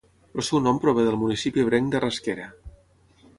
El seu nom prové del municipi ebrenc de Rasquera.